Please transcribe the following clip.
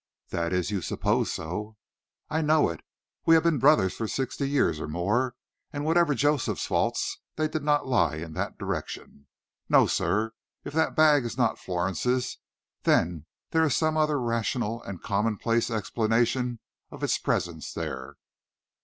"That is, you suppose so." "I know it! We have been brothers for sixty years or more, and whatever Joseph's faults, they did not lie in that direction. No, sir; if that bag is not Florence's, then there is some other rational and commonplace explanation of its presence there."